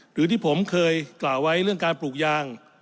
หรือที่ผมเคยกล่าวไว้เรื่องการปลูกยาง